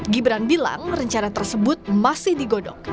gibran bilang rencana tersebut masih digodok